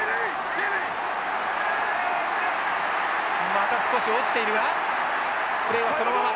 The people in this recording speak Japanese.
また少し落ちているがプレーはそのまま。